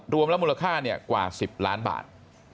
รวมแล้วมูลค่ากว่า๑๐ล้านบาท